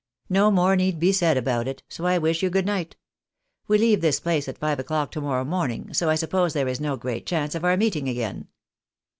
" No more need be said about it, so I wish you good night. We leave this place at five o'clock to morrow morning, so I suppose there is no great chance of our meeting again."